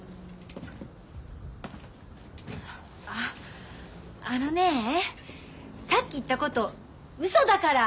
ああのねさっき言ったことうそだから。